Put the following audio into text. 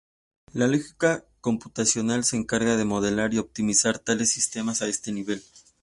La lógica computacional se encarga de modelar y optimizar tales sistemas a este nivel.